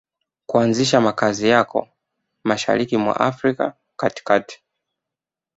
kuanzisha makazi yako Mashariki mwa Afrika katikati